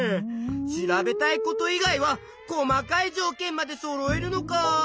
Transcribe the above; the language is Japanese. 調べたいこと以外は細かいじょうけんまでそろえるのかあ。